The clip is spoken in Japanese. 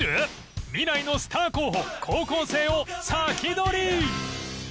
未来のスター候補高校生をサキドリ！